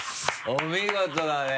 お見事だね。